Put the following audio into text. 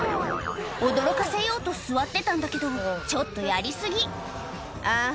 驚かせようと座ってたんだけどちょっとやり過ぎあぁ